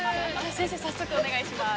先生、早速お願いします。